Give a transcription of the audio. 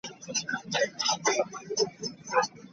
No announcement was made about a replacement award.